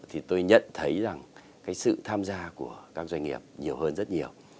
thì tôi nhận thấy rằng cái sự tham gia của các doanh nghiệp nhiều hơn rất nhiều